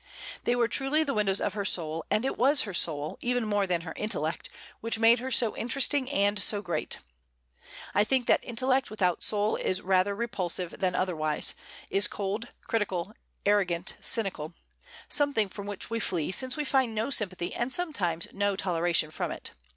They were truly the windows of her soul; and it was her soul, even more than her intellect, which made her so interesting and so great. I think that intellect without soul is rather repulsive than otherwise, is cold, critical, arrogant, cynical, something from which we flee, since we find no sympathy and sometimes no toleration from it.